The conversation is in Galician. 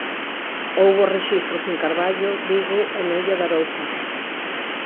Houbo rexistros en Carballo, Vigo e na Illa de Arousa.